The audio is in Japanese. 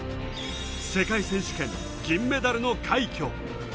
世界選手権、銀メダルの快挙。